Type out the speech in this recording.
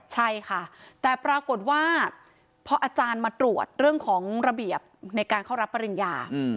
ใช่ค่ะแต่ปรากฏว่าพออาจารย์มาตรวจเรื่องของระเบียบในการเข้ารับปริญญา